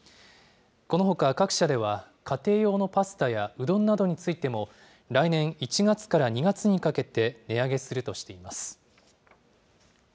このほか、各社では、家庭用のパスタやうどんなどについても、来年１月から２月にかけて、値上げするとしています。